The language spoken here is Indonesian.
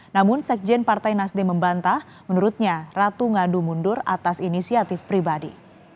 namun sekjen partai nasdem membantah menurutnya ratu ngadu mundur atas inisiatif pribadi